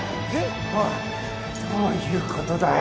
おいどういうことだよ！？